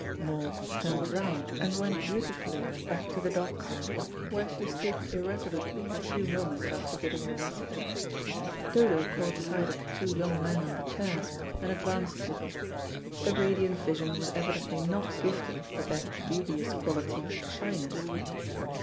Maud turned round and went dutifully back to the dog cart, where she stood irresolutely a few moments after giving her message. Dodo caught sight of the two young men on the chairs, and advanced to them. The radiant vision was evidently not gifted with that dubious quality, shyness.